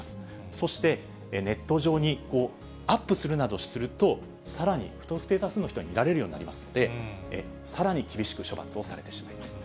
そして、ネット上にアップするなどすると、さらに不特定多数の人に見られるようになりますので、さらに厳しく処罰をされてしまいます。